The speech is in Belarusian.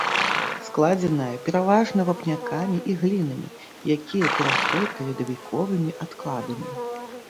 Складзеная пераважна вапнякамі і глінамі, якія перакрыты ледавіковымі адкладамі.